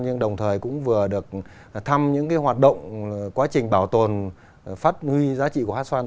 nhưng đồng thời cũng vừa được thăm những hoạt động quá trình bảo tồn phát huy giá trị của hát xoan